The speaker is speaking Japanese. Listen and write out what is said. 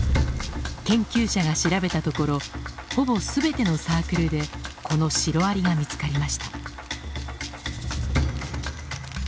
研究者が調べたところほぼ全てのサークルでこのシロアリが見つかりました。